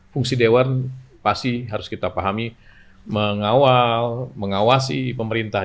fungsi dewan pasti harus kita pahami mengawal mengawasi pemerintah